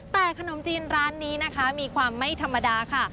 แต่ขนมจีนร้านนี้นะคะมีความไม่ธรรมดาค่ะ